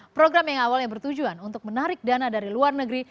program yang awalnya bertujuan untuk menarik dana dari luar negeri